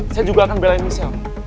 saya juga akan belain michelle